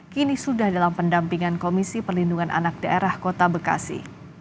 kini sudah dalam pendampingan komisi perlindungan anak daerah kota bekasi